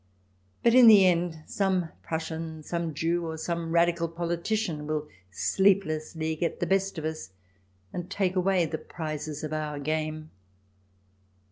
But in the end, some Prussian, some Jew, or some Radical politician will sleeplessly get the best of us and take away the prizes of our game.